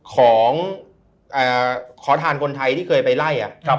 ขอทานคนไทยที่เคยไปไล่